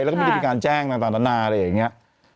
แล้วก็ไม่ได้มีการแจ้งต่างนานาอะไรอย่างนี้